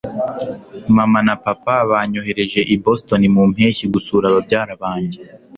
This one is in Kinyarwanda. Mama na papa banyohereje i Boston mu mpeshyi gusura babyara banjye